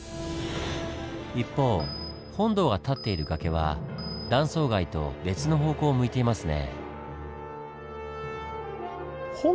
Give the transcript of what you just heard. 一方本堂が建っている崖は断層崖と別の方向を向いていますね。